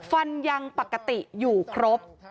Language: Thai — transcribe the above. ฟันยังปกติอยู่ครบ